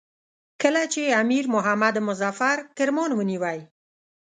کله چې امیر محمد مظفر کرمان ونیوی.